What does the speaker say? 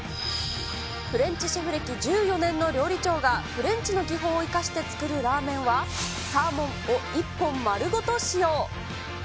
フレンチシェフ歴１４年の料理長がフレンチの技法を生かして作るラーメンは、サーモンを１本丸ごと使用。